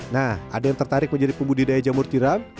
nah ada yang tertarik menjadi pembudidaya jamur tiram